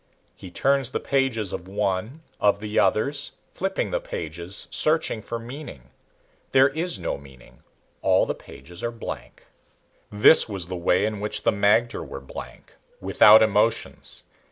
He turns the pages of one, of the others, flipping the pages, searching for meaning. There is no meaning. All of the pages are blank. This was the way in which the magter were blank, without emotions.